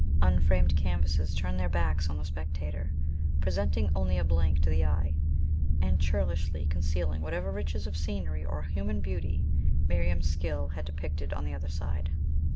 Unframed canvases turned their backs on the spectator, presenting only a blank to the eye, and churlishly concealing whatever riches of scenery or human beauty Miriam's skill had depicted on the other side.